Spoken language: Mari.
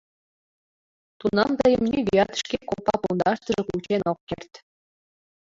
Тунам тыйым нигӧат шке копа пундаштыже кучен ок керт.